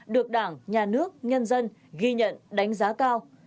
được đảng nhà nước nhân dân ghi nhận đánh giá cao